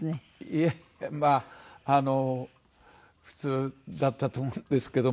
いえまああの普通だったと思うんですけども。